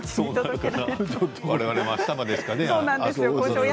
我々もあしたまでしか。